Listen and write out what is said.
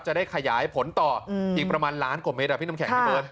จะได้ขยายผลต่ออีกประมาณล้านกว่าเมตรอะพี่น้ำแข็งพี่เบิร์